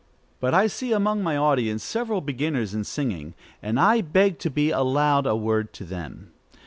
But I see among my audience several beginners in singing, and I beg to be allowed a word to them.